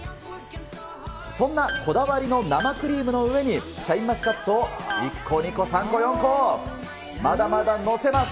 そんなこだわりの生クリームの上に、シャインマスカットを１個、２個、３個、４個、まだまだ載せます。